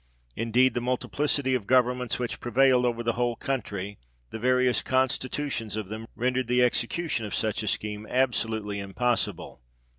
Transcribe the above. Indeed, the multiplicity of governments which prevailed over the whole country the various constitutions of them, rendered the execution of such a scheme absolutely impossible.